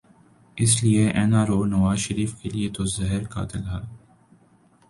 اس لیے N R O Nawaz Sharif کیلئے تو زہر قاتل ہے۔